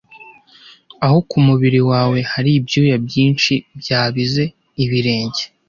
Aho kumubiri wawe hari ibyuya byinshi byabize Ibirenge